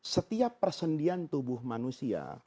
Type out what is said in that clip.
setiap persendian tubuh manusia